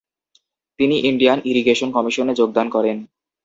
তিনি Indian irrigation কমিশনে যোগদান করেন।